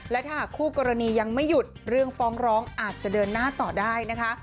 และถ้าหากคู่กรณียังไม่หยุดเรื่องฟ้องร้องอาจจะเดินหน้าต่อได้นะคะ